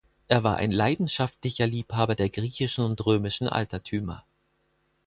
Er war ein leidenschaftlicher Liebhaber der griechischen und römischen Altertümer.